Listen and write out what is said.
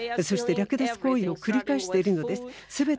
そして略奪行為を繰り返しています。